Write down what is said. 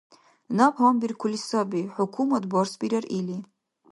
Наб гьанбиркули саби, хӀукумат барсбирар или.